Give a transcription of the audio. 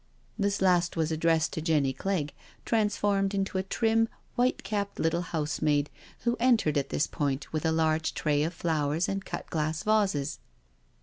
This last was addressed to Jenny Clegg, transformed into a trim, white capped little housemaid, who entered at this point with a large tray of flowers and cut glass vases.